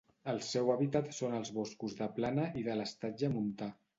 El seu hàbitat són els boscos de plana i de l'estatge montà.